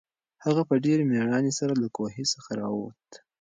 هغه په ډېرې مېړانې سره له کوهي څخه راووت.